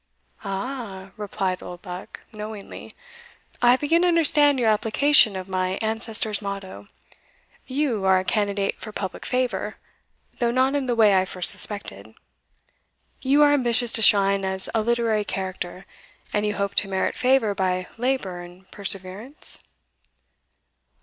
"Aha!" replied Oldbuck, knowingly, "I begin to understand your application of my ancestor's motto. You are a candidate for public favour, though not in the way I first suspected, you are ambitious to shine as a literary character, and you hope to merit favour by labour and perseverance?"